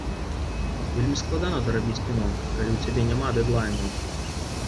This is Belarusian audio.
Вельмі складана дарабіць кіно, калі ў цябе няма дэдлайну.